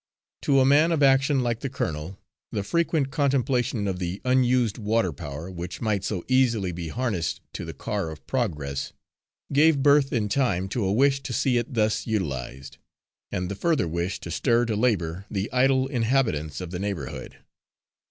To a man of action, like the colonel, the frequent contemplation of the unused water power, which might so easily be harnessed to the car of progress, gave birth, in time, to a wish to see it thus utilised, and the further wish to stir to labour the idle inhabitants of the neighbourhood.